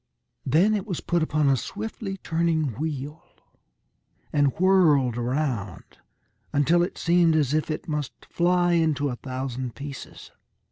Then it was put upon a swiftly turning wheel, and whirled around until it seemed as if it must fly into a thousand pieces.